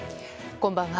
こんばんは。